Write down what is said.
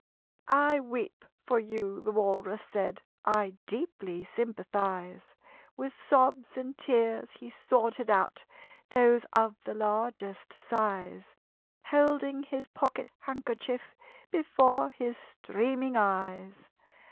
"I weep for you," the Walrus said: "I deeply sympathize." With sobs and tears he sorted out Those of the largest size, Holding his pocket handkerchief Before his streaming eyes.